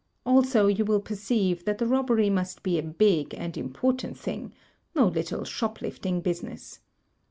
Also, you will perceive that the robbery must be a big and impoi^tant thing — no little shop lifting business.